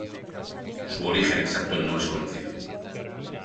Su origen exacto no es conocido.